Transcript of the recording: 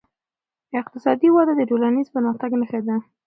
اقتصادي وده د ټولنیز پرمختګ نښه ده.